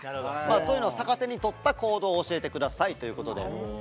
そういうのを逆手にとった行動を教えて下さいということで。